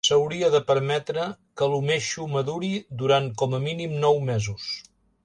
S'hauria de permetre que l'umeshu maduri durant com a mínim nou mesos.